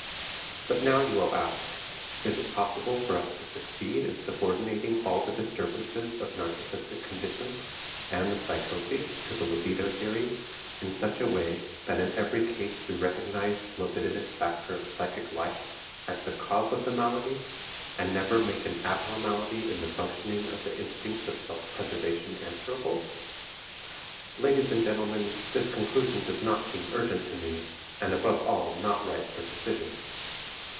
But now you will ask, is it possible for us to succeed in subordinating all the disturbances of narcistic conditions and the psychoses to the libido theory in such a way that in every case we recognize the libidinous factor of psychic life as the cause of the malady, and never make an abnormality in the functioning of the instincts of self preservation answerable? Ladies and gentlemen, this conclusion does not seem urgent to me, and above all not ripe for decision.